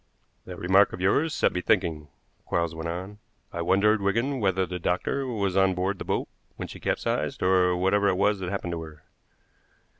"That remark of yours set me thinking," Quarles went on. "I wondered, Wigan, whether the doctor was on board the boat when she capsized, or whatever it was that happened to her.